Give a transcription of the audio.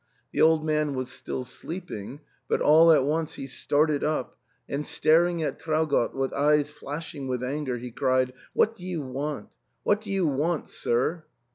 The old man was still sleeping ; but all at once he started up, and staring at Traugott with eyes flashing with anger, he cried, "What do you want? What do you want, sir?"